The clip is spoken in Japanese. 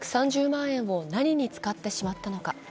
４６３０万円を何に使ってしまったのか。